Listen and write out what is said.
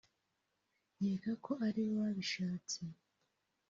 nkeka ko ari bo babishatse